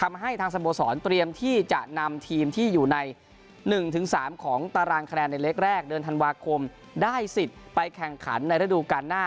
ทำให้ทางสโมสรเตรียมที่จะนำทีมที่อยู่ใน๑๓ของตารางคะแนนในเล็กแรกเดือนธันวาคมได้สิทธิ์ไปแข่งขันในระดูการหน้า